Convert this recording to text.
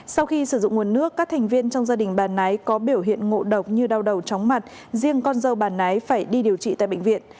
sau khi sử dụng nguồn nước các thành viên trong gia đình bà nái có biểu hiện ngộ độc như đau đầu chóng mặt riêng con dâu bà nái phải đi điều trị tại bệnh viện